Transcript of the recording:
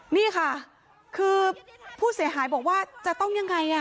นี่ค่ะคือผู้เสียหายบอกว่าจะต้องยังไง